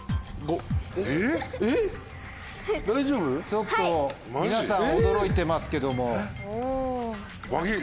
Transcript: ちょっと皆さん驚いてますけども。